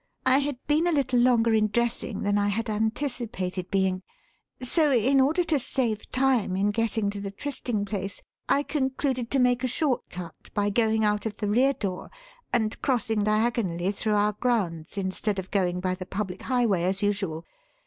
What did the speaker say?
I had been a little longer in dressing than I had anticipated being; so, in order to save time in getting to the trysting place, I concluded to make a short cut by going out of the rear door and crossing diagonally through our grounds instead of going by the public highway as usual.